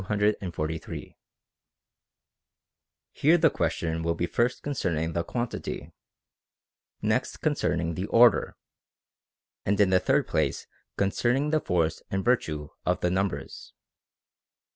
* Here the question will be first concerning the quantity, next concerning the order, and in the third place concern ing the force and virtue of the numbers.